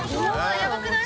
やばくない？